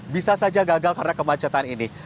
bisa saja gagal karena kemacetan ini